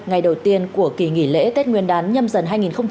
ngày đầu tiên của kỳ nghỉ lễ tết nguyên đán nhâm dần hai nghìn hai mươi bốn